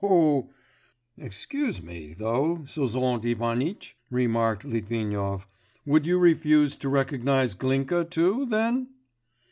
ho, ho!' 'Excuse me, though, Sozont Ivanitch,' remarked Litvinov, 'would you refuse to recognise Glinka too, then?